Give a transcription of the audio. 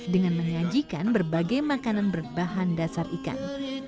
dengan menyajikan berbagai makanan berbahan dasar ikan